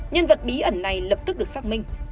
nhân vật bí ẩn này lập tức được xác minh